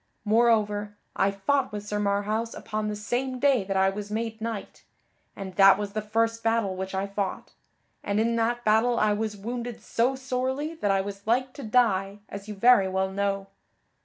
Moreover, I fought with Sir Marhaus upon the same day that I was made knight, and that was the first battle which I fought, and in that battle I was wounded so sorely that I was like to die as you very well know.